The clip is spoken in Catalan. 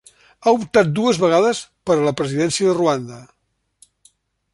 Ha optat dues vegades per a la presidència de Ruanda.